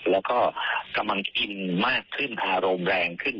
แล้วก็กำลังกินมากขึ้นอารมณ์แรงขึ้น